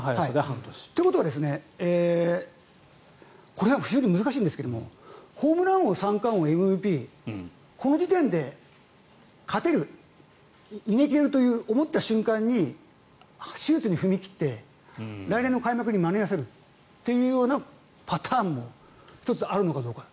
ということはこれは非常に難しいんですがホームラン王、三冠王、ＭＶＰこの時点で勝てる逃げ切れると思った瞬間に手術に踏み切って来年の開幕に間に合わせるというパターンも１つあるのかどうか。